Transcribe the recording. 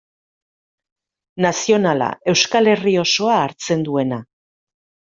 Nazionala, Euskal Herri osoa hartzen duena.